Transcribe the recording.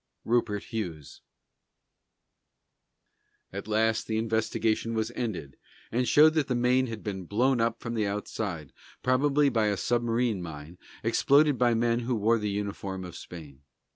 RUPERT HUGHES. At last, the investigation was ended, and showed that the Maine had been blown up from the outside, probably by a submarine mine, exploded by men who wore the uniform of Spain.